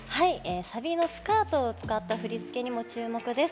サビのスカートを使った振り付けに注目です。